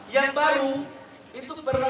yang baru itu berharga